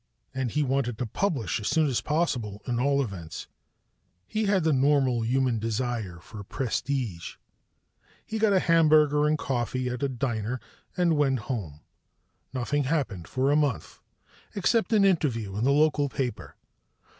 And he wanted to publish as soon as possible in all events: he had the normal human desire for prestige. He got a hamburger and coffee at a diner and went home. Nothing happened for a month except an interview in the local paper.